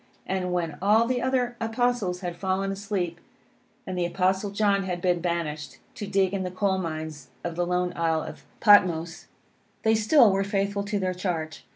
And when all the other Apostles had fallen asleep, and the Apostle John had been banished, to dig in the coal mines of the lone isle of Patmos, they still were faithful to their charge.